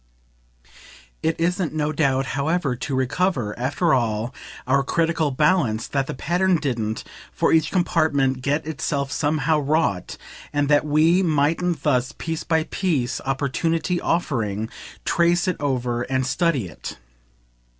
It isn't, no doubt, however to recover, after all, our critical balance that the pattern didn't, for each compartment, get itself somehow wrought, and that we mightn't thus, piece by piece, opportunity offering, trace it over and study it.